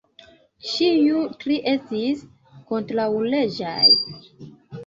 Ĉiuj tri estis kontraŭleĝaj.